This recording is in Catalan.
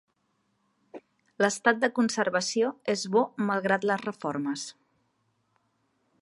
L'estat de conservació és bo malgrat les reformes.